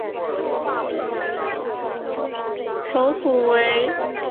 首府为曼布劳。